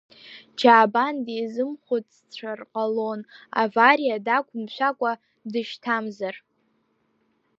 Чаабан дизымхәыццәар ҟалон, авариа дақәымшәакәа дышьҭамзар.